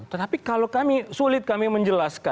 tetapi kalau kami sulit kami menjelaskan